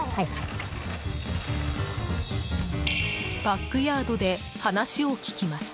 バックヤードで話を聞きます。